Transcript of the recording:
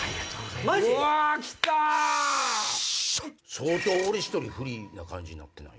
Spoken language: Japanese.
相当俺１人不利な感じになってない？